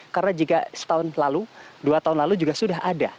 karena jika setahun lalu dua tahun lalu juga sudah ada